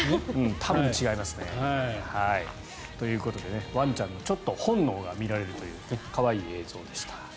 多分違いますね。ということでワンちゃんの本能が見られるという可愛い映像でした。